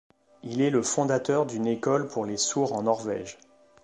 Il est le fondateur d'une école pour les sourds en Norvège.